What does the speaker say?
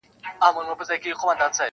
او ژوند پکي کمزوری احساس کيږي-